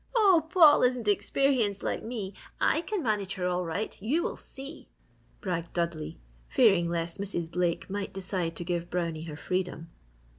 "Oh, Paul isn't experienced like me! I can manage her all right, you will see!" bragged Dudley, fearing lest Mrs. Blake might decide to give Brownie her freedom.